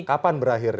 kapan berakhir ini